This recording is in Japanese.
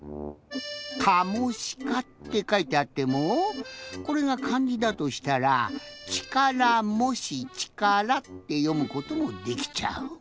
「カモシカ」ってかいてあってもこれがかんじだとしたら「力モシ力」ってよむこともできちゃう。